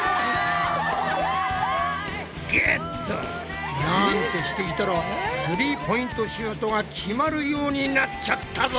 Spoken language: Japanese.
ゲッツ！なんてしていたらスリーポイントシュートが決まるようになっちゃったぞ！